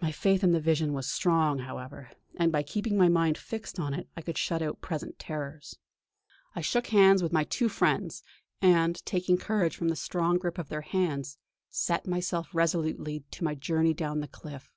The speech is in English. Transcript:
My faith in the vision was strong, however, and by keeping my mind fixed on it I could shut out present terrors. I shook hands with my two friends, and, taking courage from the strong grip of their hands, set myself resolutely to my journey down the cliff.